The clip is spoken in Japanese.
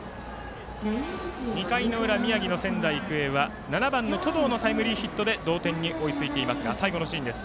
２回の裏、宮城の仙台育英は７番の登藤のタイムリーヒットで同点に追いついていますが最後のシーンです。